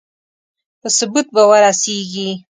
په ثبوت به ورسېږي.